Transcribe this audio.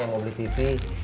yang mau beli tv